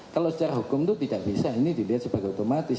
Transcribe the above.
kalau secara hukum itu tidak bisa ini dilihat sebagai otomatis